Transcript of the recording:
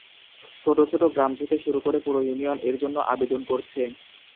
ছোট ছোট গ্রাম থেকে শুরু করে পুরো ইউনিয়ন এর জন্য আবেদন করছে।